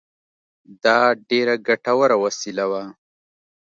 دا ډېره ګټوره وسیله وه